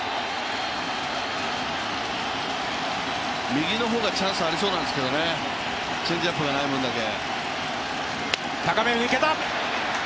右の方がチャンスありそうなんですけどね、チェンジアップがない分だけ。